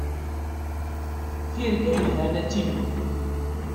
Tirga yelhan a Timmy.